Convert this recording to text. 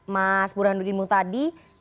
mas burhanuddin mutadi